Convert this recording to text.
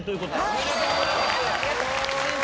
ありがとうございます。